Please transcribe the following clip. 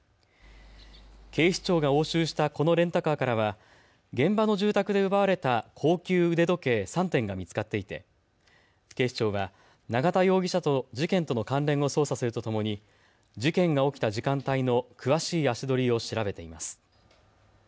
警視庁が押収したこのレンタカーからは現場の住宅で奪われた高級腕時計３点が見つかっていて警視庁は永田容疑者と事件との関連を捜査するとともに事件が起きた時間帯の詳しい足取りを調べています。